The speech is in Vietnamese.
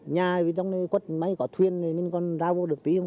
nhà trong này quất máy có thuyền nên còn ra vô được tìm